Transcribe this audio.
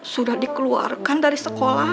sudah dikeluarkan dari sekolah